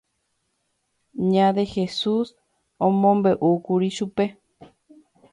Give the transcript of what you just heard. Ña Dejesús omombeʼúkuri chupe.